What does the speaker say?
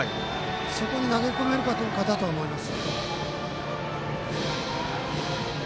そこに投げ込めるかどうかだと思います。